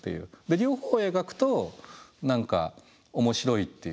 で両方を描くと何か面白いって。